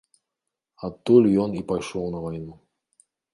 Адтуль ён і пайшоў на вайну.